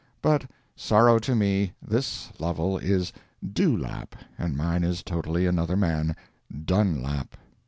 But sorrow to me, this Lovel is Dew lap, and mine is totally another man—Dun lap.